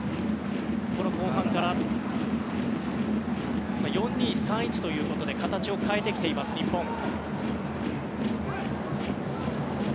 この後半から４−２−３−１ということで形を変えてきています、日本。